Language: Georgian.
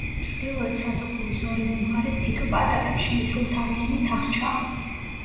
ჩრდილოეთ სათოფურის ორივე მხარეს თითო პატარა, შეისრულთაღიანი თახჩაა.